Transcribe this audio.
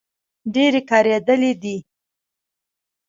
ډبرې کارېدلې دي.